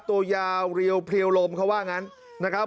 ตัวยาวเรียวเพลียวลมเขาว่างั้นนะครับ